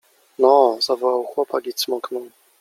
— Noo! — zawołał chłopak i cmoknął.